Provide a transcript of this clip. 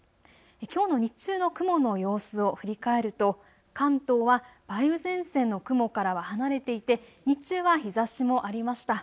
きょうの日中の雲の様子を振り返ると関東は梅雨前線の雲からは離れていて日中は日ざしもありました。